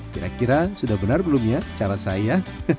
kira kira sudah benar belum ya cara saya